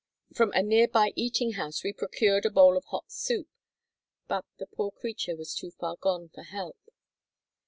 From a near by eating house we procured a bowl of hot soup, but the poor creature was too far gone for help.